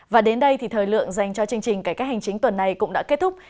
và đến đây thì thời lượng dành cho chương trình cải cách hành chính tuần này cũng đã kết thúc